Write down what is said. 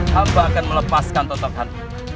hamba akan melepaskan tonton tanpa